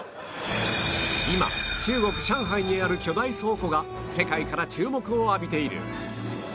今中国上海にある巨大倉庫が世界から注目を浴びている